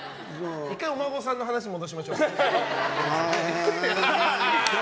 １回、お孫さんの話に戻しましょうか。